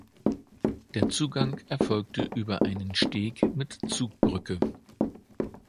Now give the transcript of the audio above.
Der Zugang erfolgte über einen Steg mit Zugbrücke.